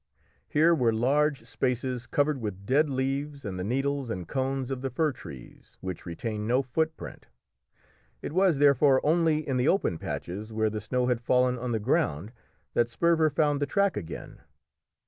Here were large spaces covered with dead leaves and the needles and cones of the fir trees, which retain no footprint. It was, therefore, only in the open patches where the snow had fallen on the ground that Sperver found the track again.